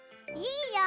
いいよ！